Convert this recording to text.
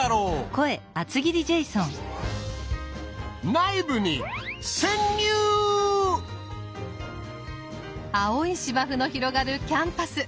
内部に青い芝生の広がるキャンパス。